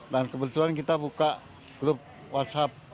dan kebetulan kita buka grup whatsapp